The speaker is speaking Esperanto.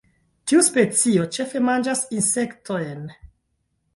Tiu specio ĉefe manĝas insektojn.